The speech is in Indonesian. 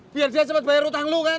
biar dia cepat bayar hutang lo kan